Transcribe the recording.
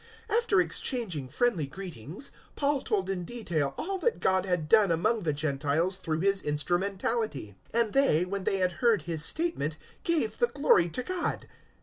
021:019 After exchanging friendly greetings, Paul told in detail all that God had done among the Gentiles through his instrumentality. 021:020 And they, when they had heard his statement, gave the glory to God.